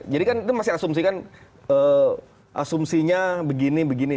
jadi kan itu masih asumsi kan asumsinya begini begini